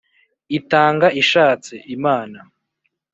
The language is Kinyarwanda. Itanga ishatse (Imana).